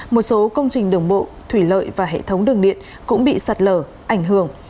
một số công trình đường bộ thủy lợi và hệ thống đường điện cũng bị sạt lở ảnh hưởng